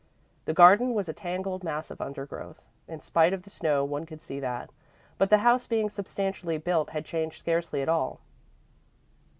The garden was a tangled mass of undergrowth in spite of the snow one could see that but the house, being substantially built, had changed scarcely at all.